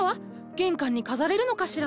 玄関に飾れるのかしら？